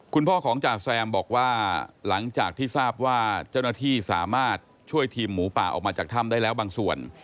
คุณพ่อของจ่าแซมบอกว่าหลังจากที่ทราบว่าเจ้าหน้าที่สามารถช่วยทีมหมูป่าออกมาจากถ้ำได้แล้วบางส่วน